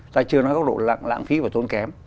ta chưa nói góc độ lãng phí và tốn kém